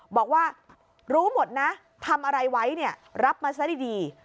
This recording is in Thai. บอกว่ารู้หมดนะทำอะไรไว้เนี่ยรับมาซะดี